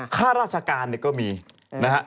ข้าราชการเนี่ยก็มีนะฮะ